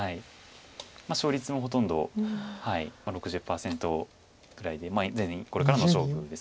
勝率もほとんど６０％くらいで全然これからの勝負です。